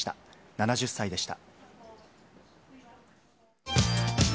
７０歳でした。